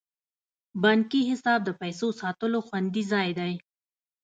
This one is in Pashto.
بانکي حساب د پیسو ساتلو خوندي ځای دی.